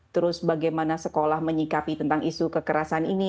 terus bagaimana sekolah menyikapi tentang isu kekerasan ini